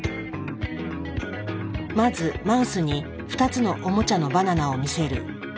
まずマウスに２つのおもちゃのバナナを見せる。